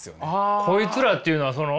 「こいつら」っていうのはその。